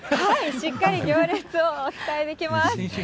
しっかり行列をお伝えできます。